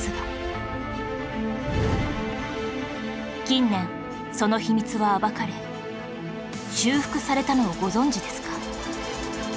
近年その秘密は暴かれ修復されたのをご存じですか？